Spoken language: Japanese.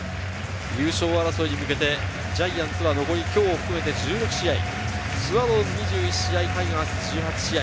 優勝争いに向けてジャイアンツは残り今日を含めて１６試合、スワローズ２１試合、タイガース１８試合。